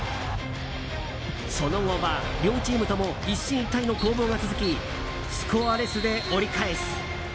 その後は両チームとも一進一退の攻防が続きスコアレスで折り返す。